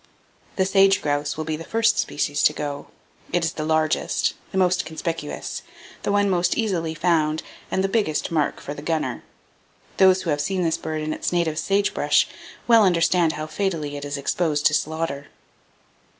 The sage grouse will be the first species to go. It is the largest, the most conspicuous, the one most easily found, and the biggest mark for the gunner. Those who have seen this bird in its native sage brush well understand how fatally it is exposed to slaughter.